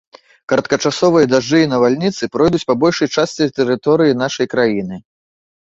Кароткачасовыя дажджы і навальніцы пройдуць па большай частцы тэрыторыі нашай краіны.